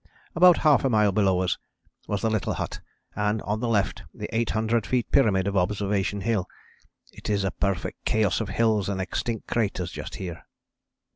About half a mile below us was the little hut and, on the left, the 800 feet pyramid of Observation Hill. It is a perfect chaos of hills and extinct craters just here.